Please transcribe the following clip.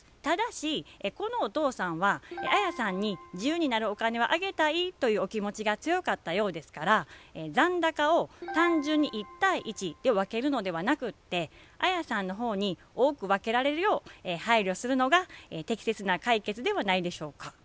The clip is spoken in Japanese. ただしこのお父さんはアヤさんに自由になるお金をあげたいというお気持ちが強かったようですから残高を単純に１対１で分けるのでなくてアヤさんの方に多く分けられるよう配慮するのが適切な解決ではないでしょうか。